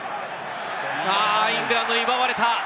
イングランドに奪われた。